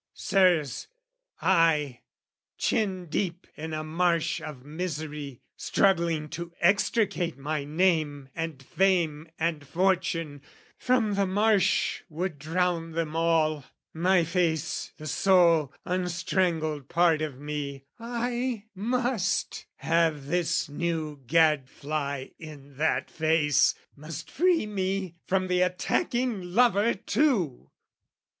Sirs, I, chin deep in a marsh of misery, Struggling to extricate my name and fame And fortune from the marsh would drown them all, My face the sole unstrangled part of me, I must have this new gad fly in that face, Must free me from the attacking lover too!